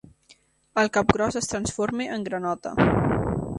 El capgròs es transforma en granota.